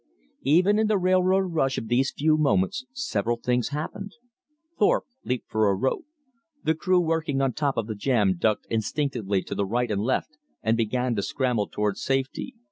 Even in the railroad rush of those few moments several things happened. Thorpe leaped for a rope. The crew working on top of the jam ducked instinctively to right and left and began to scramble towards safety.